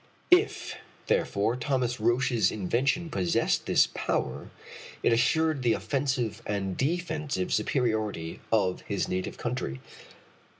If, therefore, Thomas Roch's invention possessed this power, it assured the offensive and defensive superiority of his native country.